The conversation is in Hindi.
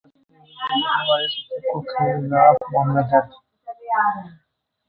छात्राओं को अश्लील वीडियो दिखाने वाले शिक्षक के खिलाफ मामला दर्ज